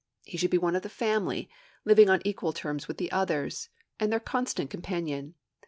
He should be one of the family, living on equal terms with the others, and their constant companion.